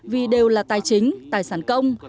vì đều là tài chính tài sản công